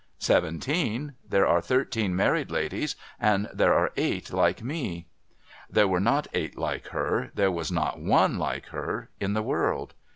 'Seventeen. There are thirteen married ladies, and there are eight like me.' There were not eight like her— there was not one like her — in the world.